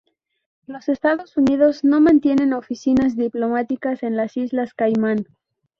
Los Estados Unidos no mantienen oficinas diplomáticas en las Islas Caimán.